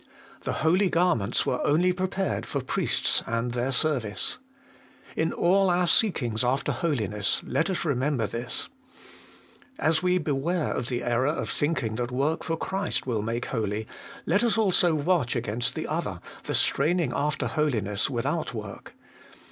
The holy garments were only prepared for priests and their service. In all our seekings after holi ness, let us remember this. As we beware of the error of thinking that work for Christ will make holy, let us also watch against the other, the strain ing after holiness without work.